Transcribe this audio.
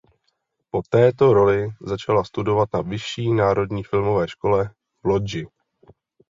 Po této roli začala studovat na Vyšší národní filmové škole v Lodži.